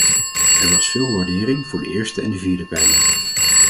Er was veel waardering voor de eerste en de vierde pijler.